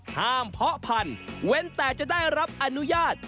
เพาะพันธุ์เว้นแต่จะได้รับอนุญาต